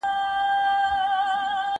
هغه وويل چي ونه مهمه ده!.